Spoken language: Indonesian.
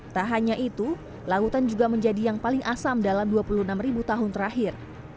tak hanya itu lautan juga menjadi yang paling asam dalam dua puluh enam tahun terakhir